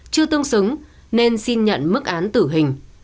chưa tương xứng nên xin nhận mức án tử hình